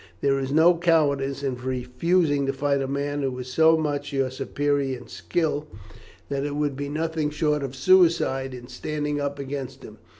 There is no cowardice in refusing to fight a man who is so much your superior in skill that it would be nothing short of suicide in standing up against him.